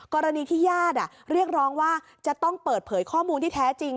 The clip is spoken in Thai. กรณีที่ญาติเรียกร้องว่าจะต้องเปิดเผยข้อมูลที่แท้จริง